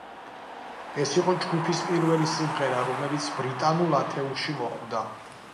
ეს იყო ჯგუფის პირველი სიმღერა, რომელიც ბრიტანულ ათეულში მოხვდა.